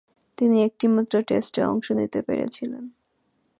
তিনি একটিমাত্র টেস্টে অংশ নিতে পেরেছিলেন।